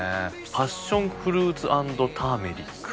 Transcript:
「パッションフルーツ＆ターメリック」。